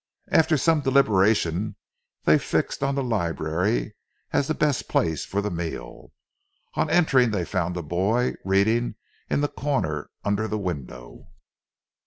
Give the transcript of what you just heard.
After some deliberation they fixed on the library as the best place for the meal. On entering they found a boy reading in the corner under the window.